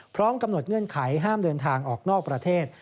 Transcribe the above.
พร้อมกำหนดเงื่อนไขห้ามเดินทางออกนอกประเทศ